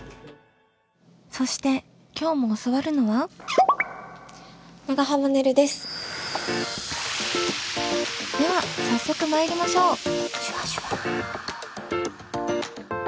そして今日も教わるのはでは早速参りましょう！